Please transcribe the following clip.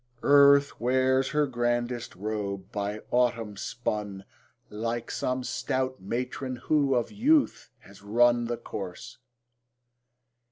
Earth wears her grandest robe, by autumn spun, Like some stout matron who of youth has run The course